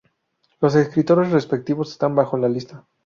Los escritores respectivos están bajo la lista.